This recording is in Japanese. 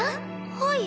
はい。